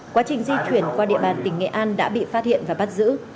quá trình di chuyển qua địa bàn tỉnh nghệ an đã bị phát hiện và bắt giữ